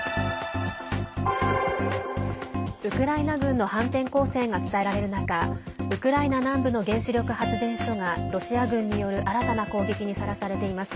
ウクライナ軍の反転攻勢が伝えられる中ウクライナ南部の原子力発電所がロシア軍による新たな攻撃にさらされています。